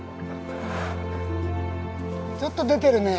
ちょっと出てるね。